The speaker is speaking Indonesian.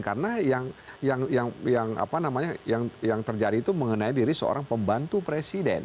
karena yang terjadi itu mengenai diri seorang pembantu presiden